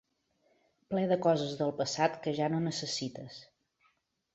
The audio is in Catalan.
Ple de coses del passat que ja no necessites.